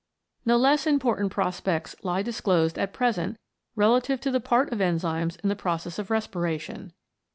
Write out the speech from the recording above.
No less important prospects lie disclosed at present relative to the part of enzymes in the process of respiration.